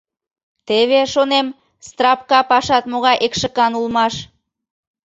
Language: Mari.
Теве, шонем, страпка пашат могай экшыкан улмаш.